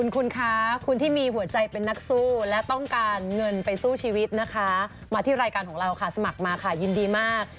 คุณคะคุณที่มีหัวใจเป็นนักสู้และต้องการเงินไปสู้ชีวิตนะคะมาที่รายการของเราค่ะสมัครมาค่ะยินดีมาก